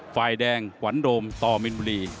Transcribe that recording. ฝ่ายแดงขวัญโดมต่อมินบุรี